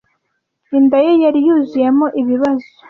Inda ye yari yuzuyemo ibibazo.